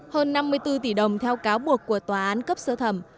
hơn năm mươi bốn tỷ đồng theo cáo buộc của tòa án cấp sơ thẩm